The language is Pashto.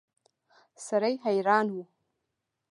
سړی حیران و.